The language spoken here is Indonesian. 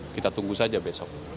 kita tunggu saja besok